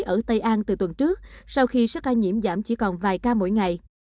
ở tây an từ tuần trước sau khi số ca nhiễm giảm chỉ còn vài ca mỗi ngày